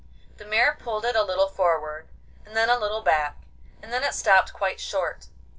The mare pulled it a little forward, and then a little back, and then it stopped quite short.